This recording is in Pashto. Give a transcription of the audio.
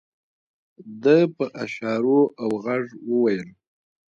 ده په اشارو او غږ وويل.